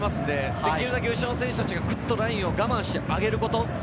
できるだけ後ろの選手はラインを我慢して上げること。